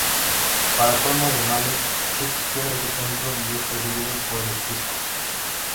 Para colmo de males, Chick pierde su empleo y es perseguido por el Fisco.